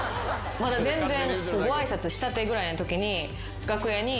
まだ全然ご挨拶したてぐらいのときに楽屋に。